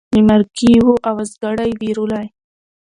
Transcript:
له مرګي یې وو اوزګړی وېرولی